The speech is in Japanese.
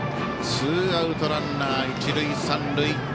ツーアウトランナー、一塁三塁。